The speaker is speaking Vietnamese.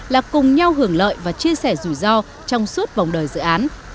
là cùng nhau hưởng lợi và chia sẻ rủi ro trong suốt vòng đời dự án